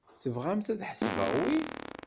Tebɣamt ad ḥesbeɣ wi?